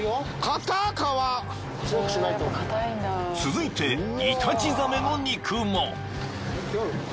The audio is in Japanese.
［続いてイタチザメの肉も］